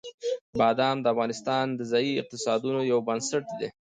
بادام د افغانستان د ځایي اقتصادونو یو بنسټ دی.